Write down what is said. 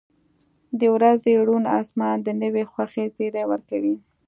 • د ورځې روڼ آسمان د نوې خوښۍ زیری ورکوي.